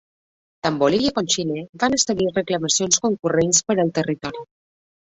Tant Bolívia com Xile van establir reclamacions concurrents per al territori.